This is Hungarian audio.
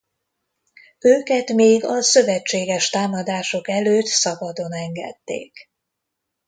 Őket még a szövetséges támadások előtt szabadon engedték.